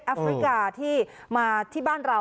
ฟริกาที่มาที่บ้านเรา